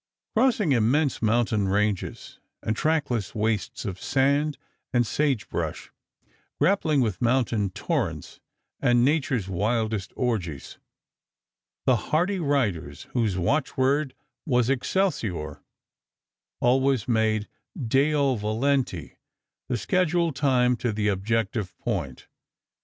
Crossing immense mountain ranges and trackless wastes of sand and sage brush, grappling with mountain torrents and with nature's wildest orgies, the hardy riders, whose watchword was "excelsior," always made (Deo volente) the schedule time to the objective point.